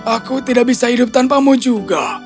aku tidak bisa hidup tanpamu juga